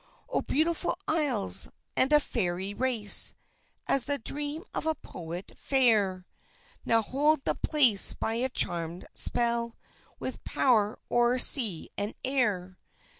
Oh, beautiful Isles! And a Fairy race, As the dream of a poet, fair, Now hold the place by a charmèd spell, With power o'er sea and air.